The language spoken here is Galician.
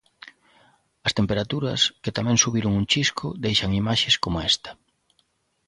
As temperaturas, que tamén subiron un chisco, deixan imaxes coma esta.